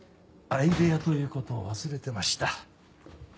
相部屋という事を忘れてました。